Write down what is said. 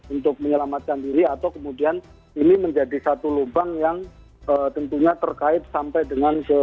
untuk menyelamatkan diri atau kemudian ini menjadi satu lubang yang tentunya terkait sampai dengan ke